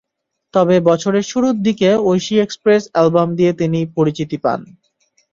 তবে বছরের শুরুর দিকে ঐশী এক্সপ্রেস অ্যালবাম দিয়ে তিনি পরিচিতি পান।